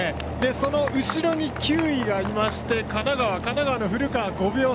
その後ろに９位がいまして神奈川の古川、５秒差。